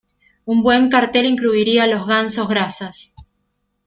Un buen cartel incluiría los Gansos Grasas.